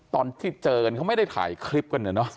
ตอนที่เจอกันไม่ได้ถ่ายคลิปเหรอ